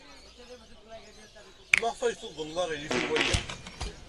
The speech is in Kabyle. Maɣef ay tuḍned aɣilif i waya?